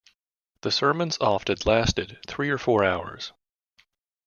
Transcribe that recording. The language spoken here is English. The sermons often lasted three or four hours.